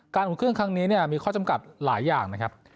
อุ่นเครื่องครั้งนี้มีข้อจำกัดหลายอย่างนะครับ